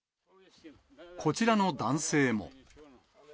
こちらの男性も。